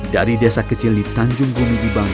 dari desa kecil di tanjung bumi di bangka